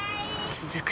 続く